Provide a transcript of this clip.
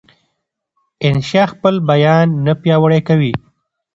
انشا خپل بیان نه پیاوړی کوي.